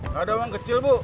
gak ada bang kecil bu